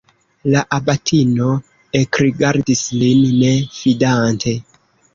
La abatino ekrigardis lin, ne fidante.